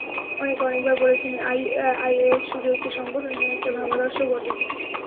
অনেকে অনেকবার বলেছেন, আইএস শুধু একটি সংগঠনই নয়, একটা ভাবাদর্শও বটে।